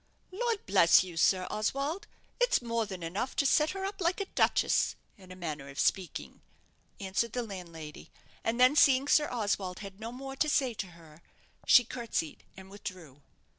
"Lor' bless you, Sir Oswald, it's more than enough to set her up like a duchess, in a manner of speaking," answered the landlady; and then, seeing Sir Oswald had no more to say to her, she curtseyed and withdrew.